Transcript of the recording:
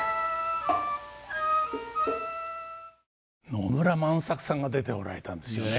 野村万作さんが出ておられたんですよね。